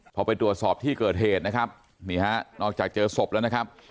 พอไปตรวจสอบที่เกิดเหตุนะครับนี่ฮะนอกจากเจอศพแล้วนะครับ